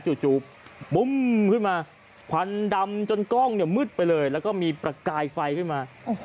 จู่ปุ้มขึ้นมาควันดำจนกล้องเนี่ยมืดไปเลยแล้วก็มีประกายไฟขึ้นมา